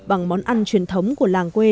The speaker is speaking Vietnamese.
bằng món ăn truyền thống của làng quê